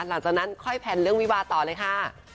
หลังจากนั้นค่อยแพลนเรื่องวิวาต่อเลยค่ะ